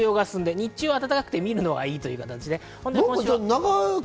日中は暖かくて、見るのはいいという感じです。